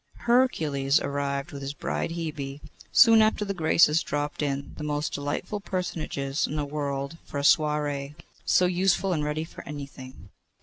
Hercules arrived with his bride Hebe; soon after the Graces dropped in, the most delightful personages in the world for a soiree, so useful and ready for anything.